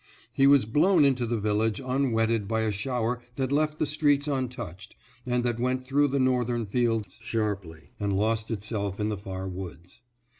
He was blown into the village unwetted by a shower that left the streets untouched, and that went through the northern fields sharply, and lost itself in the far woods.